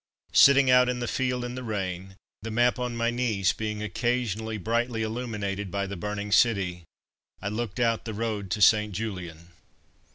Sitting out in the field in the rain, the map on my knees being occasionally brightly illuminated by the burning city, I looked out the road to St. Julien.